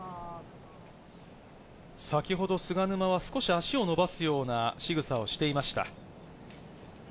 先ほど菅沼は少し足を伸ばすようなしぐさをしていました。